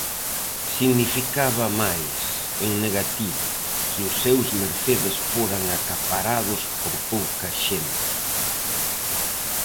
Significaba máis, en negativo, que os seus Mercedes foran acaparados por pouca xente.